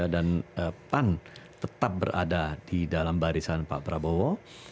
dan pan tetap berada di dalam barisan pak prabowo